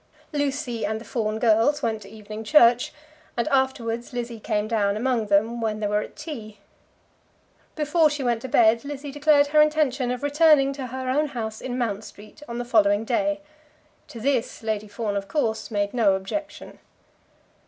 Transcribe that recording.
Lucy and the Fawn girls went to evening church, and afterwards Lizzie came down among them when they were at tea. Before she went to bed Lizzie declared her intention of returning to her own house in Mount Street on the following day. To this Lady Fawn of course made no objection.